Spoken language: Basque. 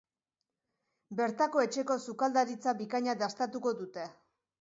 Bertako etxeko sukaldaritza bikaina dastatuko dute.